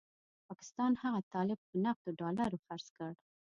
پاکستان هغه طالب په نغدو ډالرو خرڅ کړ.